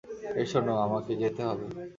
এই শোনো, আমাকে যেতে হবে।